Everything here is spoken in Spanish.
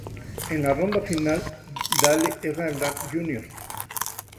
En la ronda final, Dale Earnhardt Jr.